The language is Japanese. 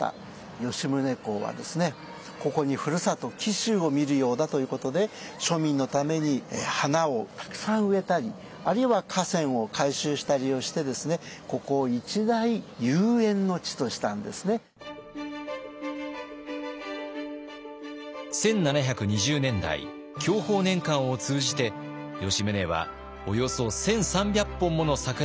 吉宗公はここにふるさと紀州を見るようだということで庶民のために花をたくさん植えたりあるいは河川を改修したりをしてですね１７２０年代享保年間を通じて吉宗はおよそ１，３００本もの桜を江戸城から移植。